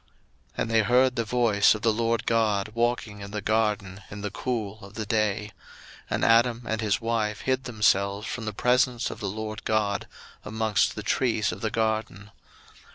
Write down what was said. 01:003:008 And they heard the voice of the LORD God walking in the garden in the cool of the day: and Adam and his wife hid themselves from the presence of the LORD God amongst the trees of the garden.